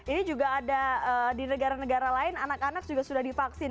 ini juga ada di negara negara lain anak anak juga sudah divaksin